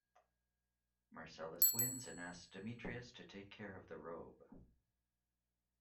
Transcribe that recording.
Marcellus wins and asks Demetrius to take care of the robe.